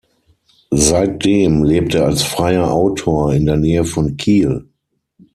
Seitdem lebt er als freier Autor in der Nähe von Kiel.